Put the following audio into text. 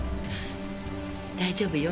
大丈夫よ。